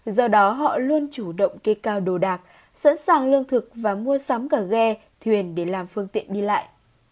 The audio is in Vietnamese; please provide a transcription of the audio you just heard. do đó họ luôn chủ động kê cao đồ đạc sẵn sàng lương thực và mua sắm cả ghe thuyền để làm phương tiện đi lại